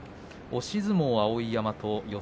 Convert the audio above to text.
押し相撲は碧山。